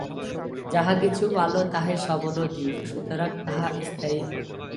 যাহা কিছু ভাল, তাহাই সবল ও দৃঢ়, সুতরাং তাহা স্থায়ী হয়।